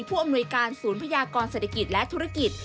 ผู้อำนวยการศูนย์พยากรเศรษฐกิจและธุรกิจ